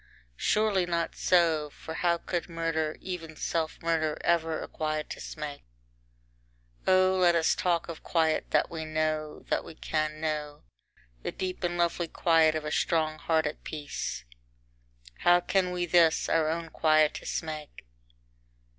Surely not so! for how could murder, even self murder ever a quietus make? IV O let us talk of quiet that we know, that we can know, the deep and lovely quiet of a strong heart at peace! How can we this, our own quietus, make?